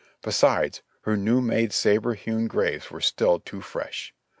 Besides, her new made sabre hewn graves were still too fresh.